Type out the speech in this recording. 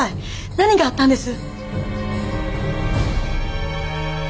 何があったんです？